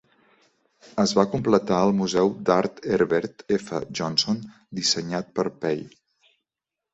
Es va completar el Museu d'Art Herbert F. Johnson, dissenyat per Pei.